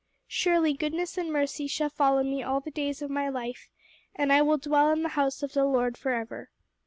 Surely goodness and mercy shall follow me all the days of my life; and I will dwell in the house of the Lord forever.'